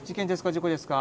事故ですか？